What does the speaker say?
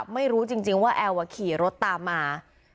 ไม่รู้จริงว่าแอลขี่รถตามมา